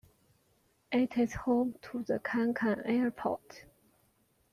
It is home to the Kankan Airport.